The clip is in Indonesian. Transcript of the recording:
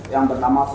yang pertama saya